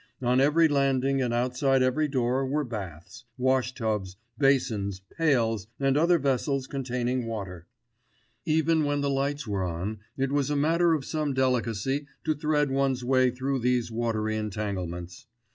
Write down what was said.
On every landing and outside every door were baths, wash tubs, basins, pails and other vessels containing water. Even when the lights were on, it was a matter of some delicacy to thread one's way through these watery entanglements.